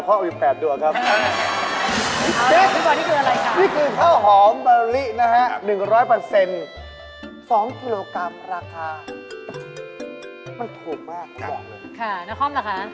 ค่ะแล้วข้อมราคา